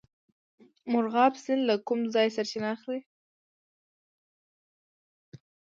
مرغاب سیند له کوم ځای سرچینه اخلي؟